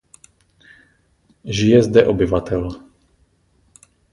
Žije zde obyvatel.